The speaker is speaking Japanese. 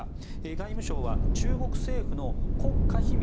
外務省は中国政府の国家秘密